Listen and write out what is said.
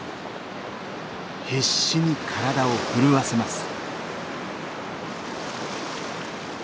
必死に体を震わせます。